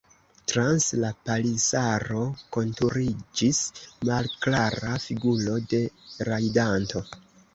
Trans la palisaro konturiĝis malklara figuro de rajdanto.